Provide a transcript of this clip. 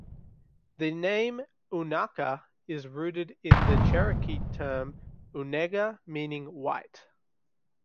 The name "unaka" is rooted in the Cherokee term "unega", meaning "white".